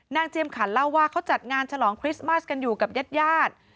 เจียมขันเล่าว่าเขาจัดงานฉลองคริสต์มัสกันอยู่กับญาติญาติ